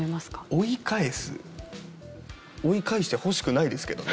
追い返す？追い返してほしくないですけどね。